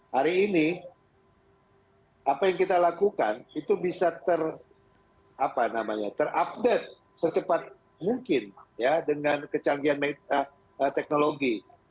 hari ini apa yang kita lakukan itu bisa terupdate secepat mungkin dengan kecanggihan teknologi